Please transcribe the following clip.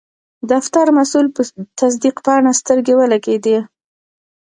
د فتر مسول په تصدیق پاڼه سترګې ولګیدې.